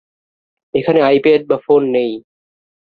এখানে আইপ্যাড বা ফোন নেই।